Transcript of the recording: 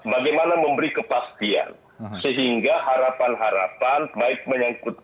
bagaimana memberi kepastian sehingga harapan harapan baik menyangkut